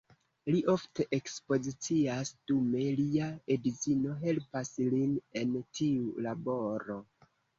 Li ofte ekspozicias, dume lia edzino helpas lin en tiu laboro.